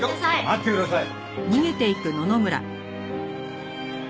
待ってください！